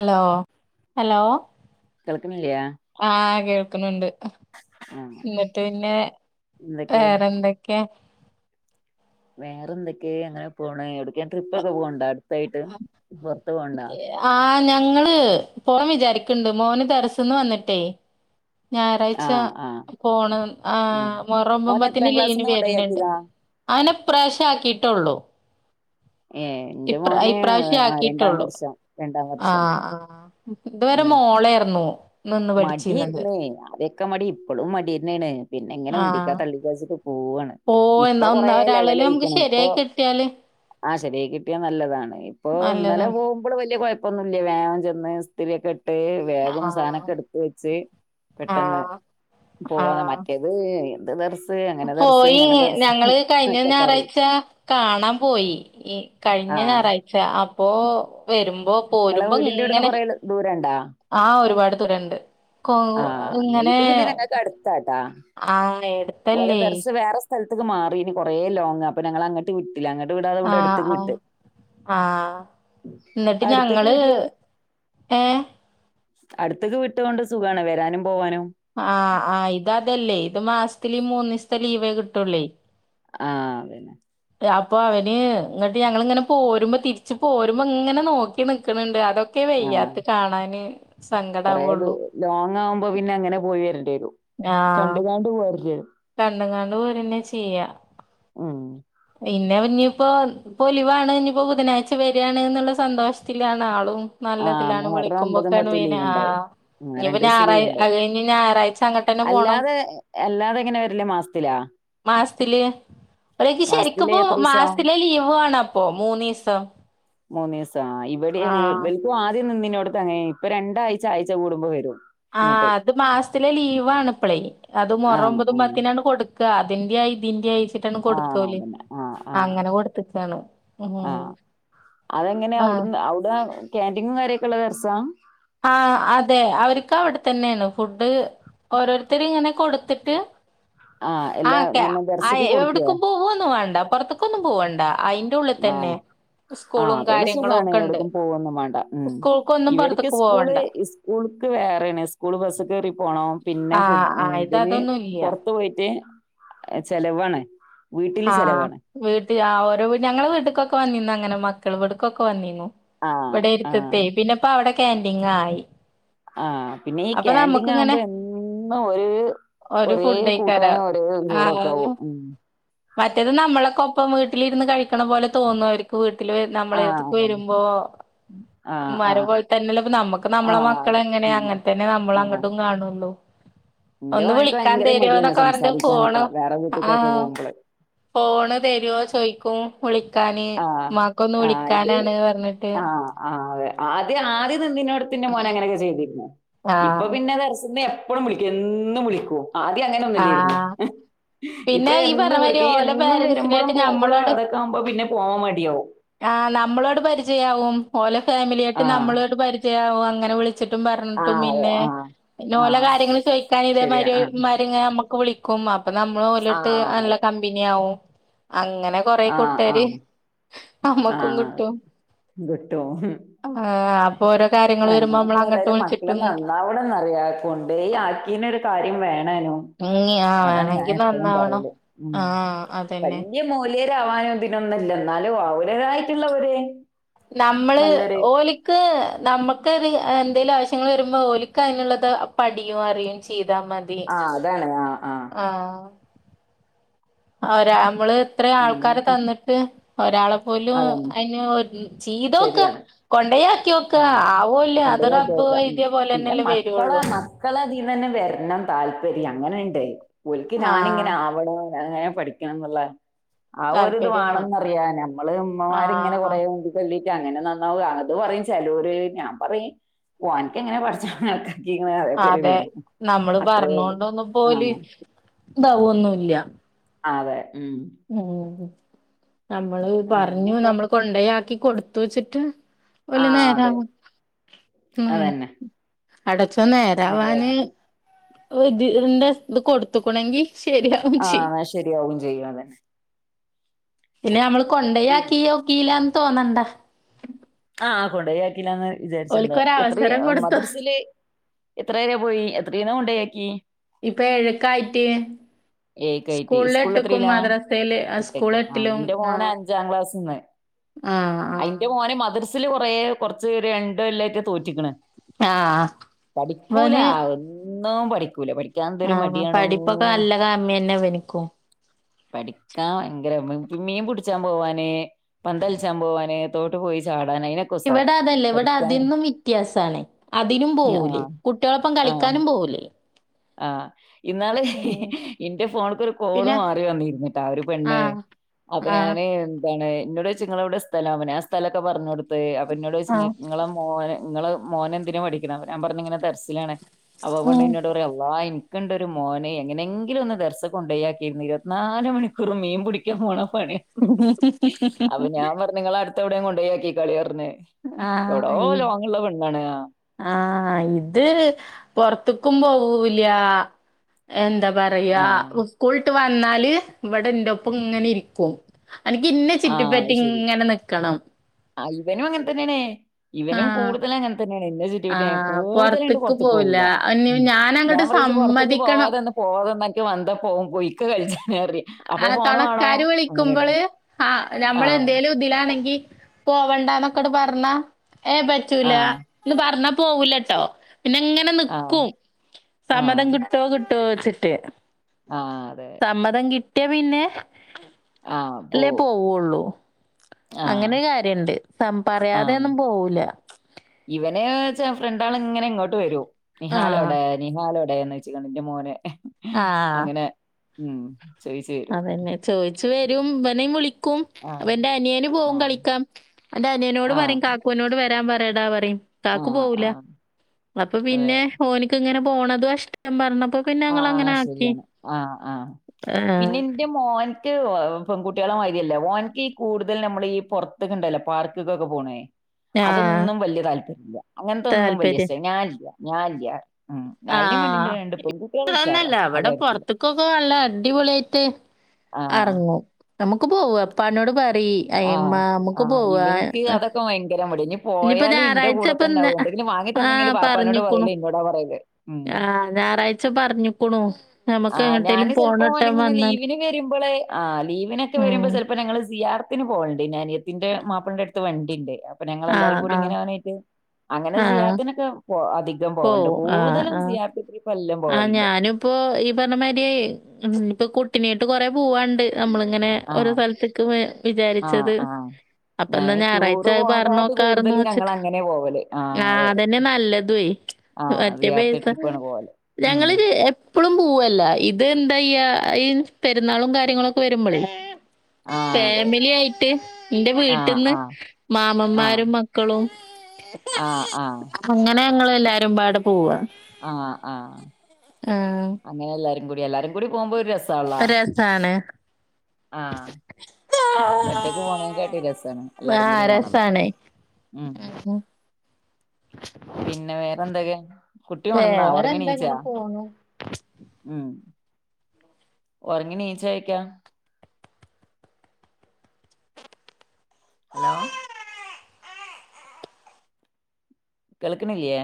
Hello hello കേൾക്കണില്ല്യാ ആ കേക്കുന്നുണ്ട് ആ എന്നിട്ട് പിന്നെ എന്തൊക്കെ വേറെന്തൊക്കെ? വേറെ എന്തൊക്കെ അങ്ങനെ പോണ് എവ്ട്ക്കേം ട്രിപ്പൊക്കെ പോക്ണ്ടാ യിട്ട് പൊറത്തു പോണ്ടാ ആ ഞങ്ങള് പോവാൻ വിചാരിക്ക്ണ്ട് മോന് ദറസ്‌ന്ന് വന്നിട്ടേ ഞായറാഴ്ച്ച ആഹ് ആഹ് പോണം ഉം ആഹ് മുഹറം ഓനെ ഒമ്പമ്പാതേന് എത്രാം ലീവിന് ക്ലാസ്ന്ന് വേരണണ്ട് കൊണ്ടയാക്കിയതാ അങ്ങനെ ഇപ്രാവശ്യ ആക്കിട്ടുള്ളൂ ഏഹ് എന്റെ മോന് ആഹ് രണ്ടാം ആക്കിയിട്ടുള്ളൂ വർഷാ രണ്ടാം ആ വർഷം ആ ഇതുവരെ ഉം മോളേയ്രുന്നു നിന്ന് പഠിച്ചീന്നത് ക്കെ മടി ഇപ്പോളും മടിയെന്നേണ് പിന്നെ ഇങ്ങനെ ആ ഉന്തിക്കാ തള്ളിക്കാച്ചിട്ട് പോവാണ് പോ ഇപ്പൊ എന്നാ ഒന്ന കൊറേ ഒരാളില് നമുക്ക് ലെവലായിക്കണ് ഇപ്പൊ ശരിയായി കിട്ടിയാല് ആഹ് ശരിയി കിട്ടിയാ നല്ലതാണ് ഇപ്പൊ ഇന്നലെ നല്ലതാണ് പോകുമ്പോൾ വേല്ല്യ കുഴപ്പൊന്നുല്ല വേഗം മെസ്സ് ത്തിലെക്കെ ടെ ആ ബാഗും സാനൊക്കെ എടുത്ത് വെച്ച് ആ പെട്ടെന്ന് പോവുന്ന ആ മറ്റേത് ഇത് ദർസ് അങ്ങനെ ദർസ് പോയി ഇങ്ങനെ ദർസ് ഞങ്ങള് കയ്ഞ്ഞ ഒക്കെ പറയും ഞാറായ്ച കാണാൻ പോയി ഈ കഴിഞ്ഞ ആഹ് ഞാറായ്ച ഓ പെരും ഓ നിങ്ങളെ പോരുമ്പോ വീടിന്റെ അവിടുന്ന് ങ്ങനെ കൊറേ ആ ഒരുപാട് ദുരണ്ട് ആ ഇത് പിന്നെ ഞങ്ങക്ക് അടുത്താട്ടാ ആ എട്ത്തല്ലേ സ്ഥൽത്ത്ക്ക് മാറീനി കൊറേ ലോങ് അപ്പ ഞങ്ങള് അങ്ങട്ട് വി ആ അ ആ ന്ന്ട്ട് അടുത്തേക്ക് ഞങ്ങള് ഏ അട്ത്ത്ക്ക് വിട്ടതോണ്ട് സ് സുഖാണ് വെരാനും പോവാനും ആ അ ഇത് അതല്ലേ ഇത് മാസ ത്തില് മൂന്നീസ്ത്തെ ലീവേ കിട്ടൊള്ളേ ആ അതന്നെ അപ്പൊ അവന് ഇങ്ങട്ട് ഞങ്ങളിങ്ങനെ പോരുമ്പോ തിരിച്ച് പോരുമ്പോ ഇങ്ങനെ നോക്കി നിക്കണണ്ട് അതൊക്കെ ആഹ് വെയ്യാത്തത് കാണാന് കൊറേ ദൂ സങ്കടാവുള്ളു ലോങ് ആവുമ്പോ പിന്നെ [inaudible] കണ്ട് കാണ്ട് പോവാ കണ്ട് കാണ്ട് പോരന്നെ ചെയ്യാ ഉം പിന്നെ ഇനിയിപ്പോ പൊലിവാണ് ഇനിയിപ്പോ ബുധനാഴ്ച വരാണ് എന്നുള്ള സന്തോഷത്തിലാണ് ആളും ആഹ് നല്ലതിലാണ് മുഹറം ഒമ്പതും വിളിക്കുമ്പേക്കേണ് പത്തും ലീവ് ആ ഉണ്ടാവും ആഹ് ഇനിപ്പോ രണ്ടൂസം ഞായറാ ലീവ് ഉണ്ടാവും ഇ ഞായറാഴ്ച അങ്ങോട്ട തന്നെ പോണം അല്ലാതെ അല്ലാതെ എങ്ങനെ വരല് മാസത്തിലാ മാസത്തില് ഒനി മാസത്തില് എനിക്കിപ്പോ എത്രീസം മാസത്തിലെ ലീവ് വേണപ്പൊ മൂന്നീസം മൂന്നീസ് ആ ഇവിടെ ഹൂൽ ആഹ് ബ ആദ്യം നിന്നിനോട് തങ്ങായി ഇപ്പ രണ്ടഴ്ച ആഴ്ച കൂടുമ്പോൾ വെരും ആ അത് മാസത്തിലെ ലീവാണ് ഇപ്പളേ അത് മൊറം ആഹ് ആഹ് ഒമ്പതുംമ്പത്തിനാണ് കൊടുക്ക അതിന്റെയ ഇതിന്റെയായി ആഹ് അതന്നെ ആഹ് ആഹ് കൊടുത്ത്ക്കാണ് ഉം ആഹ് അതെങ്ങനെയ ആഹ് അവിടുന്ന് അവിടെ ക്യാന്റീൻ കാര്യൊക്കെ ഉള്ള ദർസ ആഹ് അതെ അവർക്ക് അവിടെ തന്നെയാണ് ഫുഡ് ഓരോരുത്തരും ഇങ്ങനെ കൊടുത്തിട്ട് ആഹ് എല്ലാ ആക്കെ ഇങ്ങനെ ആ ദർസക്ക് കൊടുക്കേ എവിടെക്കും പോ ഒന്നും വേണ്ട പുറത്തക്കൊന്നും പോവണ്ട അയിന്റെ ഉള്ളിൽ ആഹ് തന്നെ ആഹ് സ്കൂളും അതോണ്ട് കാര്യങ്ങളും സുഖാണ് ഒക്കെ ഉണ്ട് എവിടേക്കും പോവൊന്നും വേണ്ട ഉം സ്കൂൾക്കൊന്നും ഇവർക്ക് പൊർത്ത്ക്ക് സ്കൂള് സ്കൂൾക്ക് വേറാണ് സ്കൂൾക്ക് ബസ് കേറി പോണം പിന്നെ ആഹ് ആഹ് ഇത് ഫുഡിന് അതൊന്നും ഇല്ല പൊറത്ത് പോയിട്ട് ചെലവാണ് വീട്ടില് ആഹ് ചെലവാണ് വീട്ടിൽ ഓരോ ഞങ്ങള് വീട്ടി ക്ക വന്നിന്നന്ന് അങ്ങന മക്കൾെടുക്കൊക്കെ വന്നീനു ആഹ് ഇവിടെ ആഹ് ഇരുത്തത്തെ പിന്നെപ്പവിടെ കാന്റീങ്ങായി ആഹ് പിന്നെ ഈ ക്യാന്റിങ്ങാവുമ്പോ എന്നും ഒരേ ഒരു ഒരേ ഫുഡേക്കാരം കൂട്ടാനും ഒരേ ആഹ് ചോറൊക്കാവും ഉം മറ്റേത് നമ്മളൊക്കെ ഒപ്പം വീട്ടിലിരുന്ന് കഴിക്കണ പോലെ തോന്നുവാരിക്കും വീട്ടി വീട്ടിൽ വരുന്ന ആഹ് നമ്മളെത്ത്ക്ക് അതന്നെ വരുംമ്പോ ആഹ് ഉമ്മാരെ ആഹ് പോലെതന്നെല്ലോ നമ്മുക്ക് നമ്മളെ ആഹ് മക്കള അതെ എങ്ങനെയ ഉം അങ്ങനെ തന്നെ നമ്മളങ്ങോട്ടും കാണുള്ളു എന്റെ മോൻക്കെ ഭയങ്കര മടിയാണ് പറഞ്ഞിട്ട് ഫോണ് സംസാരിക്കാനൊക്കെ വേറെ വീട്ടക്കൊക്കെ ആഹ് പോകുംമ്പള് ഫോണ് തരുവോ ചോയിക്കും വിളി ആഹ് ആഹ് ഇത് പറഞ്ഞിട്ട് ആഹ് ആ അതെ ആദ്യം ആദ്യം നിന്നെനോടത്തിന്റെ മോനങ്ങനൊക്കെ ചെയ്തിരുന്നു ഇപ്പൊ ആഹ് പിന്നെ ദർസ് എന്നെ എപ്പൊഴും വിളിക്കും എന്നും വിളിക്കൂം ആദ്യം അങ്ങനൊന്നുല്ലായിരുന്നു ആഹ് ഇപ്പൊ പിന്നെ ഈ പറഞ്ഞ എന്നും മാതിരി വിളിക്കും ഓലെ എന്നും വരുമ്പളും പോമ്പളും അതൊക്കെ ആവുമ്പോ പിന്നെ പോവാൻ മടിയാവും. ആ നമ്മളോട് പരി ചെയ്യാവും ഓലെ ഫാമിലിയായിട്ട് ആഹ് നമ്മളോയിട്ട് പരിചയ ആവ. അങ്ങനെ വിളി ച്ചിട്ടും പറഞ്ഞിട്ടും ആഹ് അതെ പിന്നെ ആഹ് പിന്നെ ഓല ആഹ് കാര്യങ്ങള്ച്ചോയിക്കാൻ ഇതേ ശരിയാ മാരി ഒരു ആഹ് മാ നമുക്ക് വിളിക്കും. അപ്പൊ നമ്മള് ഓലോട്ട് ആഹ് നല്ല കമ്പിനിആവും. അങ്ങനെ കൊറെ ആഹ് കൂട്ടെര് ആഹ് ആഹ് കിട്ടും ആഹ് അപ്പൊ ഓരോ കാര്യങ്ങള് വരുമ്പോ അങ്ങനക്ക നമ്മള് അങ്ങട്ട് അതായത് മക്കള് വിളിച്ചിട്ടും നന്നാവണംന്ന് അറിയാ കൊണ്ടോയി ആക്കിനൊരു കാര്യം വേ ഉ ആ വേണെങ്കി നന്നാവണോ പറയല്. ആ അതന്നെ. [unintelligible] ഇതിനൊന്നും ഇല്ല എന്നാലും ആവും വേറായിട്ട്ള്ള വിട് നമ്മള് ഓലിക്ക് നമ്മുക്കരു എന്തേലും ആവശ്യങ്ങ വരുമ്പോ ഓലിക്ക അതിനുള്ളത് പടിയും അറിയുയും ചെയ്യും. ആ അതാണ് ആഹ് ആ ആരാ നമ്മള്. ഇത്രയും ആൾക്കാരെ അങ്ങനത്തെ തന്നിട്ട് ഒരാളെപ്പോലും അതന്നെ അയിന് ഒര് ചീതൊക്കെ ശരിയാണ് കൊണ്ടയാ ആ [unintelligible] എഴുതിയ പിന്നെ പോലെന്നെല്ലേ മക്കളെ വരുള്ളൂ മക്കളെ അധീന്നെ വരണം. താല്പര്യം അങ്ങനെണ്ട് ഒലക്ക് ഞാനിങ്ങനെ ആഹ് ആവണോ. എങ്ങനെ പഠിക്കണന്നുള്ള ആ താല്പര്യമാണ് ഒരിതുവാണെന്നറിയാ നമ്മള് ഉമ്മമാരിങ്ങനെ ആഹ് കൊറെ ഉന്തി തള്ളി അങ്ങനെ നന്നാവുംത് പറയും ചലൂര് ഞാൻ പറയും [unintelligible] അതേപോലെ അതെ വരും നമ്മള് അത്രേ ഉള്ളൂ ആ പറഞ്ഞൊണ്ടൊന്നുപ്പോല് ഉണ്ടാവൊന്നുല്ല. ആ അതെ ഉം നമ്മള് പറഞ്ഞു അങ്ങനൊക്കെ നമ്മള് കൊണ്ടോയി ആക്കികൊടു ത്തു വെച്ചിട്ട് ഓല് ആഹ് അതെ നേരാവുന്നുല്ല അതന്നെ അടച്ചു നേരെ സന്നറാവന [unintelligible] ഒരുഇതിൻ്റെ ഇത് കൊടുത്തക്കണൊങ്കി ആ ശരിയാവും ചെയ്യും അതെന്നെ പിന്നെ നമ്മൾ കൊണ്ടയാക്കിയോകില്ലാം തോന്നണ്ട ആ കൊണ്ടോയി ആക്കിലാന്ന് വിചാരിച്ചിണ്ട് ഓൽക്കൊരവസരം എത്രയും കൊടുത്തു മദ്രസില് എത്ര വരെ പോയി എത്രയിന കൊണ്ടോയാക്കി ഇപ്പൊ എഴ്ക്കായി റ്റ് സ്കൂള് എത്രല്ലാ മദ്രസയില് സ്കൂൾ എട്ടക്ക് ആ എട്ടിലും എന്റെ ആ മോന് അഞ്ചാം ക്ലാസ്ന്ന് ആ ആ അന്റെ മോനെ മദ്രസ് ച്ചൽ കുറേ കുറച്ച് പേര് രണ്ടുകൊല്ലായിട്ട് തോറ്റ്ക്കണ് ആഹ് ഇവന് ഒന്നും പഠിക്കൂല പഠിക്കും ആഹ് പഠിപ്പൊക്കെ നല്ലതാണ് പഠിക്കാൻ യങ്കര മീൻ പിടിച്ചാൻ പോവാന് പന്തലിച്ചാൻ പോവാന് തോട്ട് പോയി ചാട് ഇവിടെ അതല്ലേ ഇവിടെ അതിന്നും വ്യത്യാസാണ് അതിനും പോകൂലേ ആഹ് കുട്ടികളൊപ്പം കളിക്കാനും പോകൂലേ ആ ഇന്നല് ഹ് ഹ് എന്റെ ഫോണക്ക് ഒരു കോള് പിന്നെ മാറി വന്നിരുന്നിട്ടാ ഒരു ആ പെണ്ണു അപ്പൊ ആ ഞാന് എന്താണ് എന്നോട് ചോയ്ച്ചു നിങ്ങളെവിടെ സ്ഥലം അപ്പഞാൻ സ്ഥലൊക്കെ പറഞ്ഞ് ടുത്ത് അ പ്പന്നോട് ചോയ്ച് ആ ങ്ങക്ക് ങ്ങടെ മോന് നിങ്ങളെ മോനെന്തിനാ പഠിക്കുന്നേ ഞാൻ പറഞ്ഞു ഇങ്ങനെ ദർസിലാണെ അപ്പൊ ആഹ് പെണ്ണ് എന്നോട് പ ആ എനിക്കുണ്ടൊരു മോനെ എങ്ങനെയെങ്കിലും ഒന്ന് ദർസി കൊണ്ടോയിയാക്കിയിരുന്നു ഇരുപത്തിനാല് മണിക്കൂർ മീൻ പിടിക്കാൻ പോണം ഹ് ഹ് ഹ് ഹാ അവിടെയും കൊണ്ടോയാക്ക ക്കാളി റ ഞ്ഞ എവിടോ ആ ലോങ്ങുള്ള പെണ്ണാണ് ആഹ് ഇത് പൊറത്തുക്കും പോവൂല്ല്യാ എന്താ പറയാ ആഹ് ഉ സ്കുള് ഇ വന്നാല് ഇവിടെ എന്റെ ഒപ്പം ഇങ്ങനെ ഇരിക്കും അനക്ക് ഇന്നെ ആ ചുറ്റിപ്പറ്റി ഐശെരി ഇങ്ങനെ നിക്കണം ആ ഇവനും അങ്ങനെ തന്നെയണേ ഇവനും കൂടുതൽ അങ്ങനെ തന്നെയാണ് [unintelligible] ആ കൂടുതലായിട്ട് പൊറത്ക്ക് പുറത്തേക്ക് പോവുല്ല പോകൂല. ഉം. ഞാനങ്ങട്ട് സമ്മതിക്കണം [unintelligible] പോകും പോയിക്കോ കൾചാ ആ തണക്കാര് അങ്ങനെയാണ്. വിളിക്കുമ്പോള് ആ ആ ഞമ്മളെന്തേലും ണെങ്കി പോവണ്ടന്നൊക്കെട് പറഞ്ഞാ ഏ പറ്റൂല ആ എന്ന് പറഞ്ഞ പോവൂലട്ടോ പിന്നെ എങ്ങനെ ആ നിക്കും ആ സമ്മതം കിട്ടോ കി [unintelligible] ആ അതെ. സമ്മതം കി [unintelligible] പിന്നെ ആ പോ അല്ലേ പോവോള്ളൂ ആ അങ്ങനെ കാര്യണ്ട് സം പറയാതെ ഒന്നും പോവൂല [unintelligible] ഫ്രണ്ടൾ ഇങ്ങനെ ഇങ്ങോട്ട് വരും ആഹ്. നിഹാലോടെ നിഹാലൊ [unintelligible] ന്ന് വെച്ച ന്റെ മോന് ആ അങ്ങനെ ഉം ചോയിച്ചു വരും. അതന്നെ ചോ ച്ചു വരും ഇവനേം വിളി കും ആ ഇവന്റെ അനിയന് ആ പോകും കളിക്കാം ഇവന്റെ അനിയനോട് ആ പറയീം കാക്കൂനോട് വരാൻ പറ [unintelligible] ആ കാക്കു പോവൂല ആ അപ്പൊ അതെ. പിന്നെ ഓന്ക്ക്ങ്ങനെ പോണതാഷ്ടം പറ ആ ശരിയാണ് ആ ആ ആഹ്. പിന്നെ ന്റെ മോൻക്ക് പെൺകുട്ട്യാളെ മര്യാല്ല ഒൻക്ക് ഈ കൂടുതൽ നമ്മളീ പോർത്ത്ക്ക് ഉണ്ടല്ലോ പാർക്കിക്കൊക്കെ പോണെ ആഹ്. അതൊന്നും വല്ല്യ താല്പര്യല്ല അങ്ങനതൊന്നും വല്ല്യ താല്പര്യം. ഇഷ്ട്ട ഞാല്ല്യ ഞാല്ല്യ ഉം അയിനും വേണ്ടിന്റെ രണ്ട് പൊങ്കും ആന്നല്ല വടെ പൊറത്തക്കൊക്കെ വല്ല അടിപൊളിയായിട്ട് ആഹ് എറങ്ങും നമുക്ക് പോ എപ്പോട് അമ്മ ആഹ് നമ്മുക്ക് ആഹ് പോവ ഇവൻക്ക് അതൊക്കെ ഭയങ്കര മടിയാ ഇനി ഇനിയിപ്പോ പോയാലും ഇന്റെ കൂടെ ഞായറാഴ്ചപ്പൊ തന്നാവും എന്തെങ്കിലും വാങ്ങി ആഹ തരണെങ്കില് ബാപ്പാനോട് പറഞ്ഞക്കണു പറയല് ഇന്നോടാ പറയല് ഉം ആ ഞായറാഴ്ച പറഞ്ഞക്കണു ആ് ഞാാന് ചിലപ്പോ അങ്ങനെ വന്നാല് ലീവിന് വരുമ്പോളെ ആ ലീവിനൊക്കെ വരുമ്പോ ഉം ചിലപ്പോ ഞങ്ങള് സിയർ അത്തിന് പോവണ്ട് ഞാനിയത്തിന്റെ മാപ്പിളന്റെ അടുത്ത് വണ്ടി ഉണ്ട് ഞൾെല്ലാരും ആഹ് കൂടി ആഹ് ഇങ്ങനെ വണീട്ട് അങ്ങനെ ആഹ് സ്യാത്തിനൊക്കെ പോക അധികം പോണ്ട് കൂടുതലും സി ആർ ത്രീ ആ ഞാനിപ്പോൊ ഇപ്പ് പറഞ്ഞമാരിയായി ഇപ്പൊ കുട്ടിനീട്ട് കൊറെേ പോവാണ്ട് നമ്മളിങ്ങനെ ഓരോ ആഹ് സ്ഥലത്തേക്ക് ആഹ് വിചാരിച്ചത് ആഹ്. അപ്പന്താ ഞാന് ഞായറാഴ്ച ടൂറ് പറഞ്ഞ പോണേക്കാട്ടി നോക്കാറ്ന്ന് കൂടുതല് വോച്ചിട്ട് ഞങ്ങളങ്ങനെ പോവല്. ആ ആഹ് അതെ. അതന്നെ നല്ലതുേ ആഹ് മറ്റേ സിയാറത്ത് പൈസ ട്രിപ്പാണ് പോവല്. ഉം. ഞങ്ങള് എപ്പഴും പൂവല്ല ഇത് എന്താ ഈ ആ പെരുന്നാളും കാര്യങ്ങളൊക്കെ വരുമ്പോളേ ആഹ് അതെ. ഫാമിലി ആയിട്ട് എന്റെ ആഹ് വീട്ടിൽന്ന് ആഹ് മാമന്മാരും മക്കളും ആ ആ അന്നെ ഞങ്ങൾ എല്ലാരും പാടെ പോവാുക ആ ആ അങ്ങനെ എല്ലാരും എല്ലാരും കൂടി പോക്പോ ഒരു രസ് രസാണ് ആഹ്. ഒറ്റക്ക് പോണേക്കാട്ടി രസാണ് എല്ലാരും ആ കൂടി പോണത് രസാണ് ഉം പിന്നെ വേറെന്തൊക്കെ കുട്ടി ഉണർന്നോ വേറെന്താ ഉറങ്ങീനിച്ചാ ഇങ്ങനെ പോണു ഉം ഉറങ്ങി നീച്ചയക്കാ ഹലോ കൾക്കണില്ലയേ